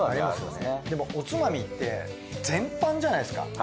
でもおつまみって全般じゃないですか。